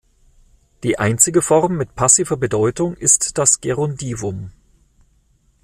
Die einzige Form mit passiver Bedeutung ist das Gerundivum.